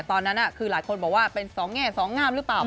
ตอนนั้นคือหลายคนบอกว่าเป็นสองแง่สองงามหรือเปล่า